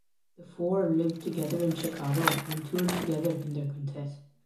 The four lived together in Chicago and toured together in their quintet.